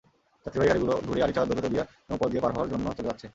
যাত্রীবাহী গাড়িগুলো ঘুরে আরিচা-দৌলতদিয়া নৌপথ দিয়ে পার হওয়ার জন্য চলে যাচ্ছে।